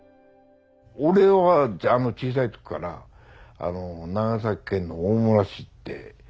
俺は小さい時から長崎県の大村市って。